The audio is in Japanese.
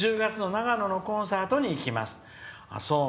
１０月の長野のコンサートに行きます。